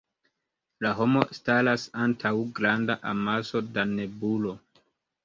La homo staras antaŭ granda amaso da nebulo.